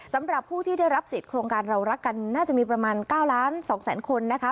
สำหรับผู้ที่ได้รับสิทธิ์โครงการเรารักกันน่าจะมีประมาณ๙ล้าน๒แสนคนนะคะ